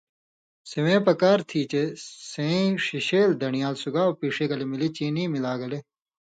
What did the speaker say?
سِوئیں پکار تھی۔ چے سیں ششیل دان٘ڑیال سُگاؤ پیݜی گلے ملی چینی ملا گلے